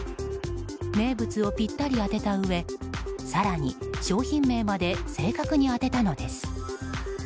名物をぴったり当てたうえ更に商品名まで正確に当てたのです。